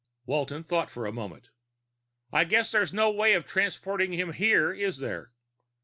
Walton thought for a moment. "I guess there's no way of transporting him here, is there?"